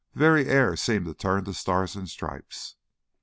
The very air seemed to turn to stars and stripes.